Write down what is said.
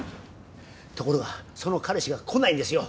ところがその彼氏が来ないんですよ。